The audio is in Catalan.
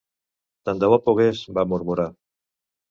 "Tant de bo pogués", va murmurar.